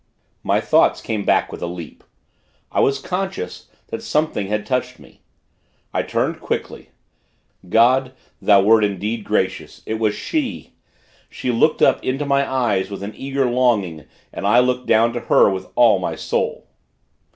My thoughts came back with a leap. I was conscious that something had touched me. I turned quickly. God, Thou wert indeed gracious it was She! She looked up into my eyes, with an eager longing, and I looked down to her, with all my soul.